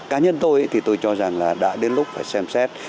cá nhân tôi thì tôi cho rằng là đã đến lúc phải xem xét